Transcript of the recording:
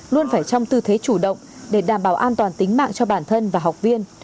luôn phải trong tư thế chủ động để đảm bảo an toàn tính mạng cho bản thân và học viên